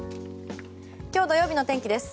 今日土曜日の天気です。